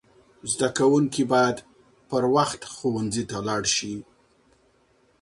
زده کوونکي باید پر وخت ښوونځي ته لاړ سي.